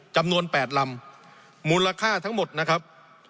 จำนวน๘ลำมูลค่าทั้งหมดนะครับ